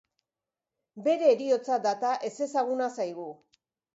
Bere heriotza data ezezaguna zaigu.